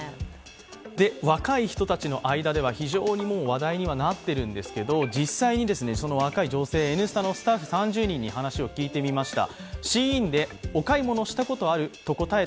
若い人たちの間では非常にもう話題にはなってるんですけど実際にその若い女性、「Ｎスタ」のスタッフ３０人に話を聞いてみました。